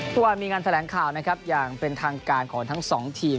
ทุกวันมีงานแสดงข่าวอย่างเป็นทางการของทั้ง๒ทีม